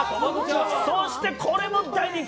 そして、これも大人気。